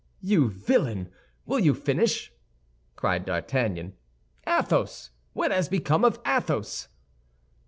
"You villain, will you finish?" cried D'Artagnan, "Athos—what has become of Athos?"